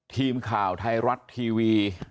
ทีมข่าวไทยรัฐทีวี